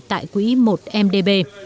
tại quỹ một mdb